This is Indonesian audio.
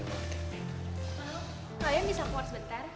halo kalian bisa port sebentar